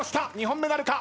２本目なるか？